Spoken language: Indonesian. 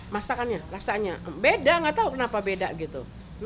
masakannya rasanya beda nggak tahu kenapa beda gitu